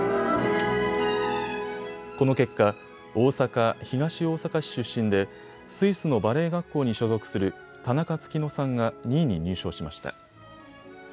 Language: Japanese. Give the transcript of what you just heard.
この結果、大阪東大阪市出身でスイスのバレエ学校に所属する田中月乃さんが２位に入賞しました。